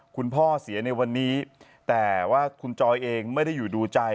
พ่อเสียในวันนี้แต่ว่าคุณจอยเองไม่ได้อยู่ดูใจ